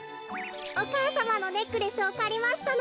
お母さまのネックレスをかりましたの。